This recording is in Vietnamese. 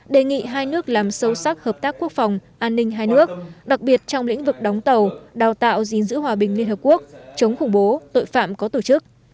đề nghị hai nước làm sâu sắc hợp tác quốc phòng an ninh hai nước đặc biệt trong lĩnh vực đóng tàu đào tạo gìn giữ hòa bình liên hợp quốc chống khủng bố tội phạm có tổ chức